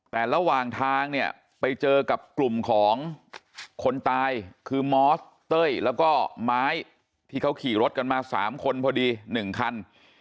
แต่ระหว่างทางเนี่ยไปเจอกับกลุ่มของคนตายคือมอสเต้ยแล้วก็ไม้ที่เขาขี่รถกันมา๓คนพอดี๑คัน